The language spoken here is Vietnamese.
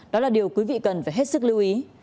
đó là điều quý vị cần phải hết sức lưu ý